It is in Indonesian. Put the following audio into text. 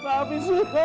maafin surga mak